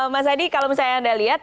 mas adi kalau misalnya anda lihat